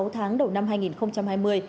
sáu tháng đầu năm hai nghìn hai mươi